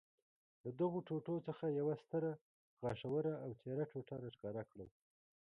له دغو ټوټو څخه یې یوه ستره، غاښوره او تېره ټوټه را ښکاره کړل.